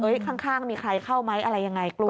ข้างมีใครเข้าไหมอะไรยังไงกลัว